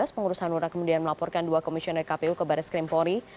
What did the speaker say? pengurus hanura kemudian melaporkan dua komisioner kpu ke barat skrim polri